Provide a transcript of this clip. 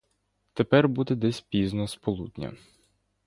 Тепер буде десь пізно з полудня.